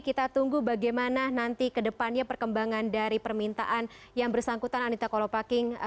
kita tunggu bagaimana nanti kedepannya perkembangan dari permintaan yang bersangkutan anita kolopaking